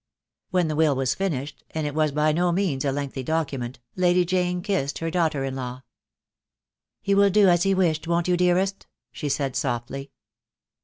When the will was finished, and it was by no means a lengthy document, Lady Jane kissed her daughter in law. "You will do as he wished, won't you, dearest?" she said, softly.